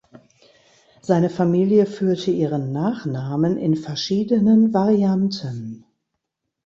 Seine Familie führte ihren Nachnamen in verschiedenen Varianten.